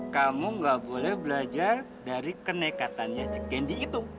kamu gak boleh belajar dari kenekatannya si kendi itu